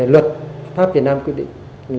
luật pháp việt nam quyết định